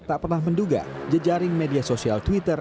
tak pernah menduga jejaring media sosial twitter